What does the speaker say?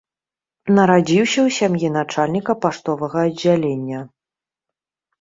Нарадзіўся ў сям'і начальніка паштовага аддзялення.